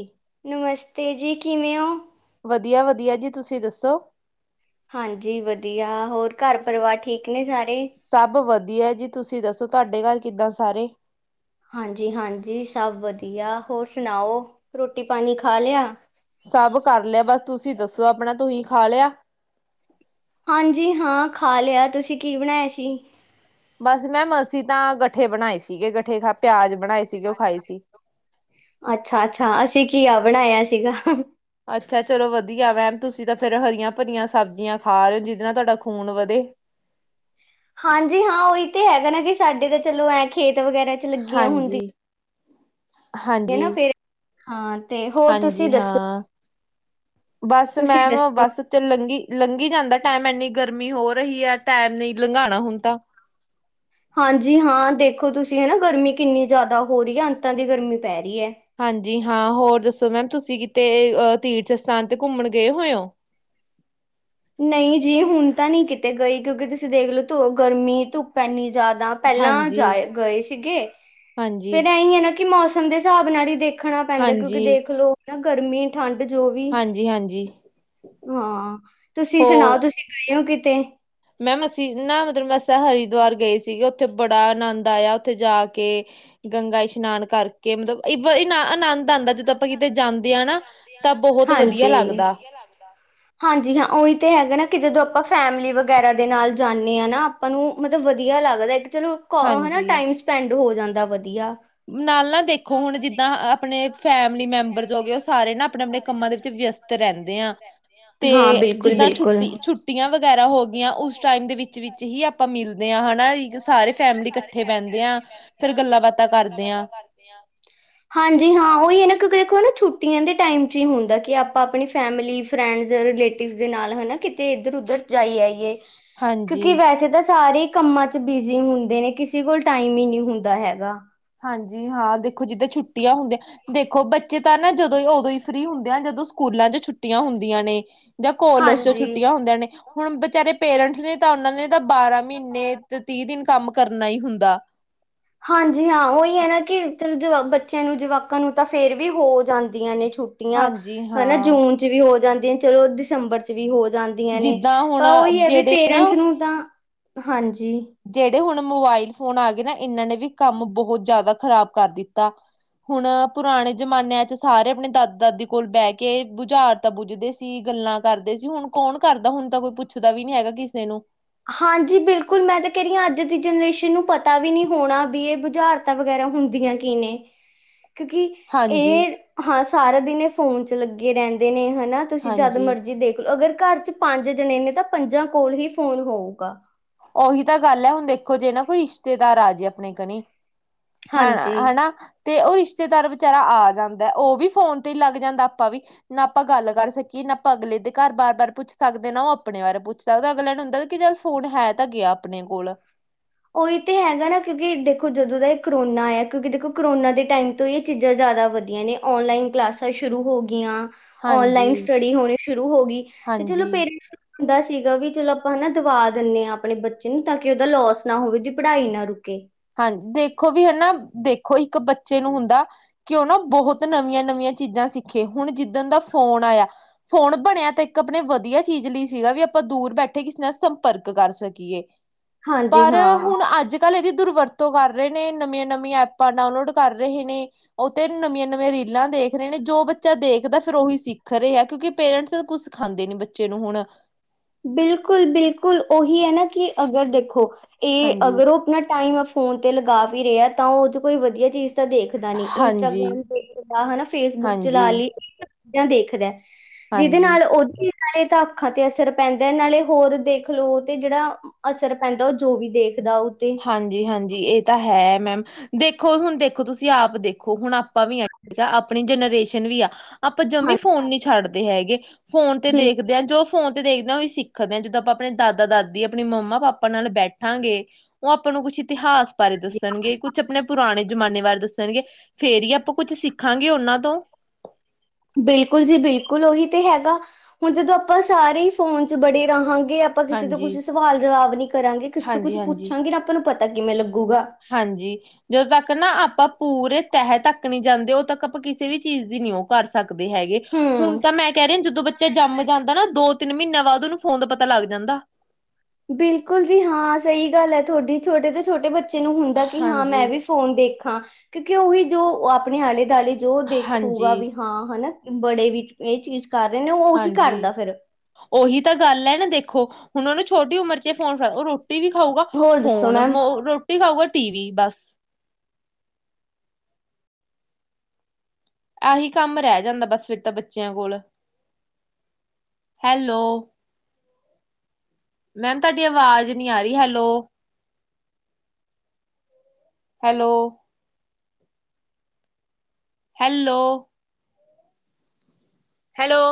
ਈ [inaudible] ਨਮਸਤੇ ਜੀ ਕਿਵੇਂ ਉਂ ਵਧੀਆ ਵਧੀਆ ਜੀ ਤੁਸੀਂ ਦੱਸੋਂ? ਹਾਂਜੀ ਵਧੀਆ, ਹੋਰ ਘਰ ਪਰਿਵਾਰ ਠੀਕ ਨੇ ਸਾਰੇ? ਸਬ ਵਧੀਆ ਜੀ, ਤੁਸੀਂ ਦੱਸੋਂ ਤੁਹਾਡੇ ਘਰ ਕਿੱਦਾਂ ਸਾਰੇ? ਹਾਂਜੀ ਹਾਂਜੀ ਸਭ ਵਧੀਆ, ਹੋਰ ਸੁਣਾਓ ਰੋਟੀ ਪਾਣੀ ਖਾ ਲਿਆ? ਸਭ ਕਰ ਲਿਆ, ਬਸ ਤੁਸੀਂ ਦੱਸੋਂ ਆਪਣਾ ਤੁਹੀਂ ਖਾ ਲਿਆ? ਹਾਂਜੀ ਹਾਂ ਖਾ ਲਿਆ, ਤੁਸੀਂ ਕੀ ਬਣਾਇਆ ਸੀ? ਬਸ ਮੈਂਮ ਅਸੀ ਤਾਂ ਗੱਠੇ ਬਣਾਏ ਸੀਗੇ, ਗੱਠੇ ਖਾ ਪਿਆਜ਼ ਅੱਛਾ ਅੱਛਾ, ਅਸੀਂ ਘੀਆ ਬਣਾਇਆ ਸੀਗਾ। ਅੱਛਾ ਚਲੋ ਵਧੀਆ ਮੈਮ, ਤੁਸੀਂ ਤਾਂ ਫੇਰ ਹਰੀਆਂ ਭਰੀਆਂ ਸਬਜ਼ੀਆਂ ਖਾ ਰਹੇ ਹੋ, ਜਿਹਦੇ ਨਾਲ ਤੁਹਾਡਾ ਖੂਨ ਵਧੇ। ਹਾਂਜੀ ਹਾਂ ਉਹੀ ਤੇ ਹੈਗਾ ਨਾ ਕਿ ਸਾਡੇ ਤਾਂ ਚਲੋਂ ਐ ਖੇਤ ਵਗੈਰਾ 'ਚ ਲੱਗੀਆਂ ਹੁੰਦੀਆਂ। ਹਾਂਜੀ ਹਾਂਜੀ। ਨਾ ਫੇਰ ਹਾਂ ਤੇ ਹੋਰ ਤੁਸੀਂ ਹਾਂਜੀ ਦੱਸੋਂ? ਹਾਂ ਬਸ ਮੈਂਮ ਦੱਸੋ? ਬਸ ਚ ਲੰਘ ਲੰਘੀ ਜਾਂਦਾ ਟੈਮ, ਐੰਨੀ ਗਰਮੀ ਹੋ ਰਹੀ ਐ ਟੈਮ ਨੇ ਹੀ ਲੰਘਾਉਣਾ ਹੁਣ ਤਾਂ। ਹਾਂਜੀ ਹਾਂ ਦੇਖੋਂ ਤੁਸੀਂ ਹਨਾ ਗਰਮੀ ਕਿੰਨੀ ਜ਼ਿਆਦਾ ਹੋ ਰਹੀ ਐ, ਅੰਤਾਂ ਦੀ ਗਰਮੀ ਪੈ ਰਈ ਐ। ਹਾਂਜੀ ਹਾਂ ਹੋਰ ਦੱਸੋਂ ਮੈਮ, ਤੁਸੀਂ ਕਿਤੇ ਤੀਰਥ ਸਥਾਨ ਤੇ ਘੁੰਮਣ ਗਏ ਹੋਏ ਹੋ? ਨਈ ਜੀ, ਹੁਣ ਤਾਂ ਨੀ ਕਿਤੇ ਗਈ, ਕਿਉਂਕਿ ਤੁਸੀਂ ਦੇਖ ਲਓ ਧੁ ਗਰਮੀ ਧੁੱ ਪ ਆਨੀ ਜ਼ਿਆਦਾ, ਪਹਿਲਾਂ ਹਾਂਜੀ। ਜਾਏ ਗਏ ਸੀਗੇ ਹਾਂਜੀ, ਫੇਰ ਐਈ ਐ ਨਾ ਕਿ ਮੌਸ ਮੌਸਮ ਦੇ ਹਿਸਾਬ ਨਾਲ ਹੀ ਦੇਖਣਾ ਪੈਂਦਾ, ਕਿਉਂਕਿ ਹਾਂਜੀ, ਦੇਖ ਲੋੋ ਹਨ ਨਾ ਗਰਮੀ ਠੰਡ ਜੋ ਵੀ ਹਾਂਜੀ, ਹਾਂਜੀ ਹਾਂ, ਤੁਸੀਂ ਸੁਣਾਓ ਤੁਸੀਂ ਗਏ ਹੋ ਕਿਤੇ? ਮੈਂਮ ਅਸੀ ਨਾ ਮਤਲਬ ਅਸਾ ਹਰਿਦੁਆਰ ਗਏ ਸੀਗੇ, ਉੱਥੇ ਬੜਾ ਆਨੰਦ ਆਇਆ ਉੱਥੇ ਜਾ ਕੇ ਗੰਗਾ ਇਸ਼ਨਾਨ ਕਰ ਕੇ ਮਤਲਬ ਇਬ ਆਨੰਦ ਆਦਾ ਜਦੋਂ ਆਪਾਂ ਕਿਤੇ ਜਾਂਦੇ ਹਾਂ ਨਾ ਤਾਂ ਬਹੁਤ ਵਧੀਆ ਲੱਗਦਾ। ਦਾ। ਹਾਂਜੀ ਹਾਂ ਉਹੀ ਤੇ ਹੈਗਾ ਨਾ ਕਿ ਜਦੋਂ ਆਪਾਂ ਫੈਮਿਲੀ ਵਗੈਰਾ ਦੇ ਨਾਲ ਜਾਂਨੇ ਆ ਨਾ ਆਪਾਂ ਨੂੰ ਮਤਲਬ ਵਧੀਆ ਲੱਗਦਾ। ਇੱਕ ਚਲੋ ਕ ਹੈ ਹਾਂਜੀ। ਟਾਈਮ ਸਪੈਂਡ ਹੋ ਜਾਂਦਾ ਵਧੀਆ। ਨਾਲ ਨਾ ਦੇਖੋ ਹੁਣ ਜਿੱਦਾਂ ਆਪਣੇ ਫੈਮਿਲੀ ਮੈਂਬਰ- ਜੋ ਗਏ। ਉਹ ਸਾਰੇ ਨਾ ਆਪਣੇ ਆਪਣੇ ਕੰਮਾਂ ਦੇ ਵਿੱਚ ਵਿਅਸਤ ਰਹਿੰਦੇ ਆ ਤੇ ਹਾਂ ਬਿਲਕੁਲ ਜਿੱਦਾਂ ਛੁੱਟੀ ਛੁੱ- ਬਿਲਕੁਲ ਛੁਟੀਆਂ ਵਗੈਰਾ ਹੋ ਗਈਆਂ, ਉਸ ਟਾਈਮ ਦੇ ਵਿੱਚ ਵਿੱਚ ਹੀ ਆਪਾਂ ਮਿਲਦੇ ਹਾਂ ਹਨਾ, ਸਾਰੇ ਫੈਮਲੀ ਇਕੱਠੇ ਬਹਿੰਦੇ ਹਾਂ ਫੇਰ ਗੱਲਾਂ-ਬਾਤਾਂ ਬਾਤਾਂ ਕਰਦੇਆਂ। ਕਰਦੇਆਂ। ਹਾਂਜੀ ਹਾਂ ਉਹੀ ਹੈ ਨਾ ਕਿਉਂਕਿ ਦੇਖੋ ਨਾ ਛੁੱਟੀਆਂ ਦੇ ਟਾਈਮ'ਚ ਹੀ ਹੁੰਦਾ ਕਿ ਆਪਾਂ ਆਪਣੀ ਫੈਮਿਲੀ ਫਰੈਂਡਸ ਰਿਲੇਟਿਵ ਦੇ ਨਾਲ ਹੈਨਾ ਕਿਤੇ ਇੱਧਰ ਉਧਰ ਜਾਈ ਆਈਏ। ਕਿਉਂਕਿ ਹਾਂਜੀ ਵੈਸੇ ਤਾਂ ਸਾਰੇ ਕੰਮਾਂ ਚ ਬਿਜ਼ੀ ਹੁੰਦੇ। ਦੇ ਨੇ ਕਿਸੇ ਕੋਲ ਟਾਈਮ ਹੀ ਨਹੀਂ ਹੁੰਦਾ ਹੈਗਾ। ਹਾਂਜੀ ਹਾਂ ਦੇਖੋ ਜਿੱਦਾਂ ਛੁੱਟੀਆਂ ਹੁੰਦੀਆਂ। ਦੇਖੋ ਬੱਚੇ ਤਾਂ ਨਾ ਜਦੋਂ ਉਦੋਂ ਹੀ ਫ੍ਰਰੀ ਹੁੰਦੇ ਆ ਜਦੋਂ ਸਕੂਲਾਂ'ਚ ਛੁ ਛੁੱਟੀਆਂ ਹੁੰਦੀਆਂ ਨੇ ਜਾਂ ਕੋਲੇਜ ਚ ਹਾਂਜੀ ਛੁੱਟੀਆਂ ਹੁੰਦੀਆਂ ਨੇ। ਹੁਣ ਬਚਾਰੇ ਪੇਰੈਂਟਸ ਨੇ ਤਾਂ ਉਹਨਾਂ ਨੇ ਤਾਂ ਬਾਰਾਂ ਮਹੀਨੇ ਤੇ ਤੀਹ ਦਿਨ ਕੰਮ ਕਰਨਾ ਹੀ ਹੁੰਦਾ। ਹਾਂਜੀ ਹਾਂ ਉਹੀ ਹੈ ਨਾ ਕਿ ਜਵਾ ਚਲ ਬੱਚਿਆਂ ਨੂੰ ਜਵਾਕਾਂ ਨੂੰ ਤਾਂ ਫੇਰ ਵੀ ਹੋ ਜਾਂਦੀਆਂ ਨੇ ਛੁ ਟੀਆਂ ਹਾਂਜੀ ਹੈਨ੍ਹਾਂ, ਹਾਂ ਜੂਨ ਚ ਵੀ ਹੋ ਜਾਂਦੀਆਂ ਚਲੋ ਦਸੰਬਰ ਵੀ ਹੋ ਜਾਂਦੀਆਂ ਨੇ ਜਿੱਦਾਂ ਹੁਣ ਪਰ ਉਹੀ ਹੈ ਵੀ ਜਿਹੜੇ ਨਾ ਪੇਰੈਂਟਸ ਨੂੰ ਤਾਂ, ਹਾਂਜੀ- ਜਿਹੜੇ ਹੁਣ ਮੋਬਾਇਲ ਫੋਨ ਆ ਗਏ ਨਾ ਇਹਨਾਂ ਨੇ ਵੀ ਕੰਮ ਬਹੁਤ ਜ਼ਿਆਦਾ ਖਰਾਬ ਕਰ ਦਿੱਤਾ। ਹੁਣ ਪੁਰਾਣੇ ਜਮਾਨਿਆਂ'ਚ ਸਾਰੇ ਆਪਣੇ ਦਾਦਾ-ਦਾਦੀ ਕੋਲ ਬਹਿ ਕੇ ਬੁਝਾਰ ਤਾਂ ਬੱਝਦੇ ਸੀ ਗੱਲਾਂ ਕਰਦੇ ਸੀ। ਹੁਣ, ਕੌਣ ਕਰਦਾ ਹੁਣ ਤਾਂ ਕੋਈ ਪੁੱਛਦਾ ਵੀ ਨੀ ਹੈਗਾ ਕਿਸੇ ਨੂੰ। ਹਾਂਜੀ, ਬਿਲਕੁਲ ਮੈਂ ਤਾਂ ਕਹਿ ਰਹੀ ਹਾਂ ਅੱਜ ਦੀ ਜਨਰੇਸ਼ਨ ਨੂੰ ਪਤਾ ਵੀ ਨਹੀਂ ਹੋਣਾ ਵੀ ਇਹ ਬੁਝਾਰ ਤਾਂ ਵਗੈਰਾ ਹੁੰਦੀਆਂ ਕੀ ਨੇ। [unintelligible] ਕਿਉਂਕਿ ਹਾਂਜੀ ਇਹ ਹਾਂ ਸਾਰਾ ਦਿਨ ਇਹ ਫੋਨ ਚ ਲੱਗੇ ਰਹਿੰਦੇ ਨੇ ਹਨਾ। ਤੁਸੀਂ ਜਦ ਹਾਂਜੀ ਮਰਜੀ ਦੇਖ ਲਓ, ਅਗਰ ਘਰ ਚ ਪੰਜ ਜਣੇ ਨੇ ਤਾਂ ਪੰਜਾਂ ਕੋਲ ਹੀ ਫੋਨ ਹੋਊਗਾ। ਉਹੀ ਤਾਂ ਗੱਲ ਹੈ, ਹੁਣ ਦੇਖੋ ਜੇ ਨਾ ਕੋਈ ਰਿਸ਼ਤੇਦਾਰ ਆ ਜੇ ਆਪਣੇ ਕਣੇ ਹੈ, ਹਾਂਜੀ ਹੈਨਾ। ਤੇ ਉਹ ਰਿਸ਼ਤੇਦਾਰ ਵਿਚਾਰਾ ਆ ਜਾਂਦਾ। ਉਹ ਵੀ ਫੋਨ ਤੇ ਲੱਗ ਜਾਂਦਾ ਆਪਾਂ ਵੀ। ਨਾ ਆਪਾਂ ਗੱਲ ਕਰ ਸਕੀਏ ਨਾ ਆਪਾਂ ਅਗਲੇ ਦੇ ਘਰ ਬਾਰ-ਬਾਰ ਪੁੱਛ ਸਕਦੇ ਨਾ ਉਹ ਆਪਣੇ ਬਾਰੇ ਪੁੱਛ ਸਕਦਾ ਅਗਲੇ ਨੂੰ ਹੁੰਦਾ ਕਿ ਚੱਲ ਫੋਨ ਹੈ ਤਾਂ ਗਿਆ ਆਪਣੇ ਕੋਲ। ਉਹੀ ਤੇ ਹੈਗਾ ਨਾ ਕਿਉਂਕਿ ਦੇਖੋ ਜਦੋਂ ਦਾ ਇਹ ਕਰੋਨਾ ਆਇਆ ਕਿਉਂਕਿ ਦੇਖੋ ਕਰੋਨਾ ਦੇ ਟਾਈਮ- ਤੋਂ ਇਹ ਚੀਜ਼ਾਂ ਜ਼ਿਆਦਾ ਵਧੀਆ ਨੇ ਔਨਲਾਈਨ ਕਲਾਸਾਂ ਸ਼ੁਰੂ ਹੋ ਗਈਆਂ। ਔਨਲਾਈਨ ਹਾਂਜੀ, ਸਟੱਡੀ ਹੋਣੀ ਸ਼ੁਰੂ ਹੋ ਗਈ ਤੇ ਚਲੋ ਹਾਂਜੀ, ਪੇਰੈਂਟਸ ਨੂੰ ਦਾ ਸੀਗਾ ਵੀ ਚਲੋ ਆਪਾਂ ਹੈਨਾ ਦਵਾ ਦਿੰਨੇਂ ਆਂ ਆਪਣੇ ਬੱਚੇ ਨੂੰ ਤਾਂ ਕਿ ਓਦਾ ਲੋਸ ਨਾ ਹੋਵੇ ਜੇ ਪੜਾਈ ਨਾ ਰੁੱਕੇ। ਹਾਂਜੀ, ਦੇਖੋ ਵੀ ਹਨਾ ਦੇਖੋ ਇੱਕ ਬੱਚੇ ਨੂੰ ਹੁੰਦਾ ਕਿ ਓ ਨਾ ਬੋਹੋਤ ਨਵੀਆਂ-ਨਵੀਆਂ ਚੀਜਾਂ ਸਿੱਖੇ। ਹੁਣ ਜਿੱਦਨ ਦਾ ਫੋਨ ਆਇਆ ਫੋਨ ਬਣਿਆ ਤਾਂ ਇੱਕ ਆਪਣੇ ਵਧੀਆ ਚੀਜ ਲਈ ਸੀਗਾ ਵੀ ਆਪਾਂ ਦੂਰ ਬੈਠੇ ਕਿਸੇ ਨਾਲ ਸੰਪਰਕ ਕਰ ਸਕੀਏ। ਹਾਂਜੀ ਪਰ ਹਾਂ ਹੁਣ ਅੱਜ-ਕੱਲ ਇਦੀ ਦੁਰਵਰਤੋ ਕਰ ਰੇ ਨੇ। ਨਵੀਆਂ-ਨਵੀਆਂ ਐਪਾਂ ਡਾਊਨਲੋਡ ਕਰ ਰਹੇ ਨੇ। ਓ ਤੇ ਨਵੀਆਂ-ਨਵੀਆਂ ਰੀਲਾਂ ਦੇਖ ਰਹੇ ਨੇ ਜੋ ਬੱਚਾ ਦੇਖਦਾ ਫੇਰ ਓਹੀ ਸਿੱਖ ਰਿਹੈ ਕਿਉਂਕਿ ਪੇਰੈਂਟਸ ਕੁਸ ਖਾਂਦੇ ਨੀ ਬੱਚੇ ਨੂੰ ਹੁਣ। ਬਿਲਕੁਲ-ਬਿਲਕੁਲ ਓਹੀ ਐਨਾ ਕਿ ਅਗਰ ਦੇਖੋ ਏ ਹਾਂਜੀ, ਅਗਰ ਓ ਪਣਾ ਟਾਈਮ ਓ ਫੋਨ ਤੇ ਲਗਾ ਵੀ ਰਿਐ ਤਾਂ ਉਜ ਕੋਈ ਵਧੀਆ ਚੀਜ਼ ਤਾਂ ਦੇਖ ਦਾ ਨੀ, ਹਾਂਜੀ, ਇੰਸਟਾਗ੍ਰਾਮ ਦੇਖਦਾ ਹੈਨਾ, ਫੇਸਬੁੱਕ ਹਾਂਜੀ, ਚਲਾ ਲੀ [unintelligible] ਦੇਖਦੈ ਜਿਦੇ ਹਾਂਜੀ। ਨਾਲ ਓਦੀ [unintelligible] ਤਾ ਅੱਖਾਂ ਤੇ ਅਸਰ ਪੈਂਦੈ ਨਾਲੇ ਹੋਰ ਦੇਖ ਲੋ ਤੇ ਜੜਾ ਅਸਰ ਪੈਂਦੈ, ਜੋ ਵੀ ਦੇਖਦਾ ਓ ਤੇ। ਹਾਂਜੀ-ਹਾਂਜੀ ਏ ਤਾਂ ਹੈ ਮੈਮ। ਦੇਖੋ, ਹੁਨ ਦੇਖੋ ਤੁਸੀ ਆਪ ਦੇਖੋ ਹੁਣ ਆ ਪਾਂ ਵੀ ਐਂ [unintelligible] ਆ। ਆਪਣੀ ਜਨਰੇਸ਼ਨ ਵੀ ਆ। ਆਪਾਂ ਜਮੀ ਹਾਂਜੀ ਫੋਨ ਨੀ ਛੱਡਦੇ ਹੈਗੇ। ਫੋਨ ਤੇ ਬਿਲਕੁਲ ਦੇਖਦੇ ਆਂ ਜੋ ਫੋਨ ਤੇ ਦੇਖਨਾ ਓਈ ਸਿੱ ਖਦੇ ਆਂ। ਜਦੋਂ ਆਪਾਂ ਆਪਣੇ ਦਾਦਾ-ਦਾਦੀ ਆਪਣੀ ਮੰਮਾ-ਪਾਪਾ ਨਾਲ ਬੈਠਾਂਗੇ ਓ ਆਪਾਂ ਨੂੰ ਕੁਛ ਇਤਿਹਾਸ ਬਾਰੇ ਦੱਸਨਗੇ, ਕੁਛ ਆਪਣੇ ਪੁਰਾਣੇ ਜਮਾਨੇ ਬਾਰੇ ਦੱਸਨਗੇ ਫੇਰ ਈ ਆ ਪਾਂ ਕੁੱਝ ਸਿੱਖਾਂਗੇ ਓਨਾਂ ਤੋਂ। ਬਿਲਕੁਲ ਜੀ ਬਿਲਕੁਲ ਓਹੀ ਤੇ ਹੈਗਾ। ਹੁਨ ਜਦੋਂ ਆਪਾਂ ਸਾਰੇ ਈ ਫੋਨ 'ਚ ਬੜੇ ਰਹਾਂਗੇਂ ਆ ਪਾਂ ਕਿਸੇ ਤੋਂ ਕੁਛ ਸਵਾਲ ਜਵਾਬ ਨੀ ਕਰਾਂਗੇ, ਕਿਸੇ ਤੋਂ ਕੁੱਛ ਹਾਂਜੀ-ਹਾਂਜੀ-ਹਾਂਜੀ। ਪੁੱਛਾਂਗੇ ਨਾ ਆਪਾਂ ਨੂੰ ਪਤਾ ਕਿਵੇਂ ਲੱਗੂਗਾ। ਹਾਂਜੀ ਜਦੋਂ ਤੱਕ ਨਾ ਆਪਾਂ ਪੂਰੇ ਤਹਿ ਤੱਕ ਨੀ ਜਾਂਦੇ ਉਦ ਤੱਕ ਆਪਾਂ ਕਿਸੇ ਵੀ ਚੀਜ਼ ਦੀ ਨੀ ਓ ਕਰ ਸਕਦੇ ਹੈਗੇ। ਹੁਨ ਹੂੰ ਤਾਂ ਮੈਂ ਕੈ ਰੀ ਆਂ ਜਦੋਂ ਬੱਚਾ ਜੰਮ ਜਾਂਦੈ ਨਾ ਦੋ ਤਿੰਨ ਮੀਂਨ੍ਹੇਆਂ ਬਾਦ ਓਨੂੰ ਫੋਨ ਦਾ ਪਤਾ ਲੱਗ ਜਾਂਦਾ। ਬਿਲਕੁਲ ਜੀ, ਹਾਂ ਸਈ ਗੱਲ ਐ ਤੁਆਡੀ। ਛੋਟੇ ਤੋਂ ਛੋਟੇ ਬੱਚੇ ਨੂੰ ਹੁੰਦੈ ਕਿ ਹਾਂ ਮੈਂ ਹਾਂਜੀ ਵੀ ਫੋਨ ਦੇਖਾਂ ਕਿਉਂਕਿ ਓਵੀ ਜੋ ਆਪਣੇ ਆਲੇ ਦੁਆਲੇ ਜੋ ਦੇਖੂਗਾ ਹਾਂਜੀ ਵੀ ਹਾਂ ਹਨਾ ਬੜੇ ਵਿੱਚ ਏ ਚੀਜ਼ ਕਰ ਰਹੇ ਨੇ ਓ ਓਹੀ ਕਰਦਾ ਫੇਰ। ਓਹੀ ਤਾਂ ਗੱਲ ਐ ਨਾ ਦੇਖੋ ਹੁਨ ਓਨੂੰ ਛੋਟੀ ਉਮਰ 'ਚ ਅ ਫੋਨ ਫੜ ਓਹ ਰੋਟੀ ਵੀ ਖਾਊਗਾ ਹੋਰ ਦੱਸੋ ਫੋਨ ਮੈਮ ਮੌ ਰੋ ਟੀ ਖਾਊਗਾ ਟੀਵੀ ਬਸ। ਆਹੀ ਕੰਮ ਰੈ ਜਾਂਦਾ ਬਸ ਫਿਰ ਤਾਂ ਬੱਚਿਆਂ ਕੋਲ। ਹੈਲੋ। ਮੈਮ ਤੁਆਡੀ ਆਵਾਜ਼ ਨੀ ਆ ਰੀ, ਹੈਲੋ। ਹੈਲੋ। ਹੈਲੋ। ਹੈਲੋ।